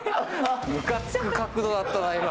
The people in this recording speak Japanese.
むかつく角度だったな、今。